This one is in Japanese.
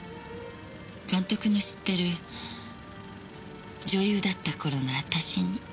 監督の知ってる女優だった頃の私に。